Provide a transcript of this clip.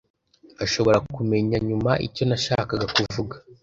Ashobora kumenya nyuma icyo nashakaga kuvuga.